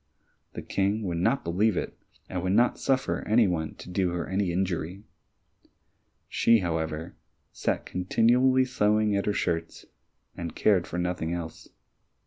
The King would not believe it, and would not suffer any one to do her any injury. She, however, sat continually sewing at the shirts, and cared for nothing else.